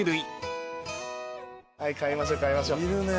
はい買いましょう買いましょう。